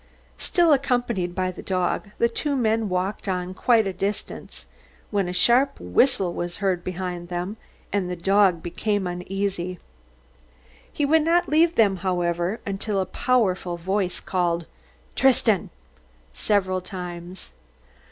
Still accompanied by the dog, the two men walked on quite a distance, when a sharp whistle was heard behind them, and the dog became uneasy. He would not leave them, however, until a powerful voice called "Tristan!" several times.